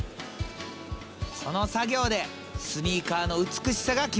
その作業でスニーカーの美しさが決まるんやで！